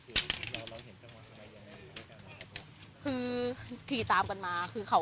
วันที่เห็นคือเราเห็นจังหวะทำไมยังไม่ได้กันนะครับ